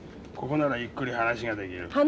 ここならゆっくり話ができる。